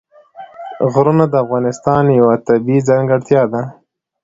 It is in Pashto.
غرونه د افغانستان یوه طبیعي ځانګړتیا ده.